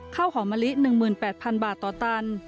ข้าวหอมมะลิ๑๘๐๐๐บาทต่อตัน